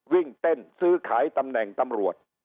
วิ่งเต้นซื้อขายตำแหน่งตำรวจ